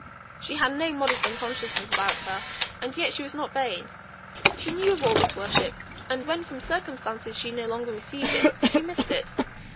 She had no modest unconsciousness about her; and yet she was not vain. She knew of all this worship; and when from circumstances she no longer received it, she missed it.